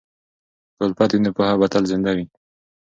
که الفت وي، نو پوهه به تل زنده وي.